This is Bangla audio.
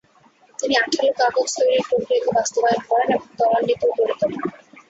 তিনি আঠালো কাগজ তৈরির প্রক্রিয়াকে বাস্তবায়ন করেন এবং তরান্বিতও করে তোলেন।